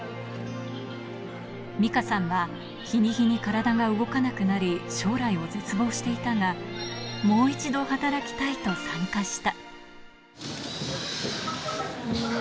ミカさんは、日に日にカラダが動かなくなり、将来を絶望していたが、もう一度働きたいと参加した。